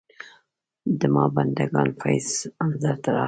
د ما بندګانو فیض منظر ته راغی.